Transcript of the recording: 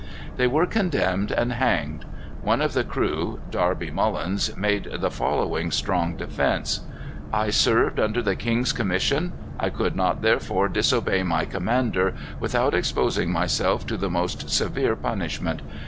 They were condemned and hanged. One of the crew, Darby Mullens, made the following strong defence: "I served under the king's commission. I could not therefore disobey my commander, without exposing myself to the most severe punishment.